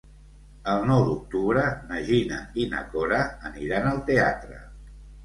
El nou d'octubre na Gina i na Cora aniran al teatre.